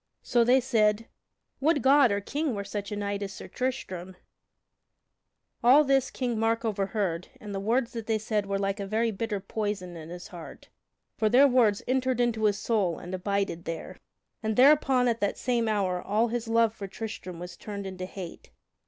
So they said: "Would God our King were such a knight as Sir Tristram!" [Sidenote: King Mark takes hatred to Sir Tristram] All this King Mark overheard, and the words that they said were like a very bitter poison in his heart. For their words entered into his soul and abided there, and thereupon at that same hour all his love for Tristram was turned into hate.